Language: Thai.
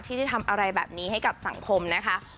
ที่ได้ทำอะไรแบบนี้ให้กับสังคมนะคะ